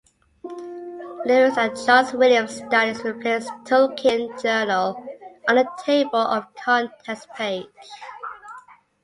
Lewis, and Charles Williams Studies" replaced "Tolkien Journal" on the table of contents page.